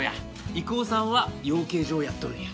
郁夫さんは養鶏場をやっとるんや。